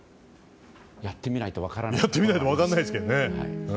やってみないと分からないですね。